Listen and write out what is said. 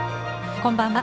こんばんは。